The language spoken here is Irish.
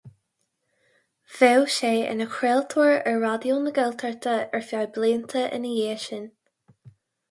Bheadh sé ina chraoltóir ar Raidió na Gaeltachta ar feadh blianta ina dhiaidh sin.